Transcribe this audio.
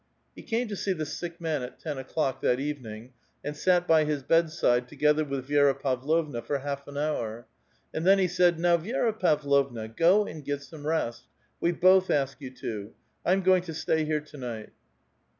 He came to see the sick man at ton o'clock, that evening, and sat by iiis bedside, together with Vicia Paviovna, for half an hour, and then he said: *' Now, Vi<Sra Tavlovna, go and get some rest. We both ask you to. I am going to stay here to night.'